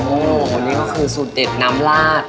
โอ้โหคนนี้ก็คือสูตรเด็ดน้ำลาด